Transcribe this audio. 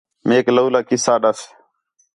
میک لَولہ قصہ ݙَس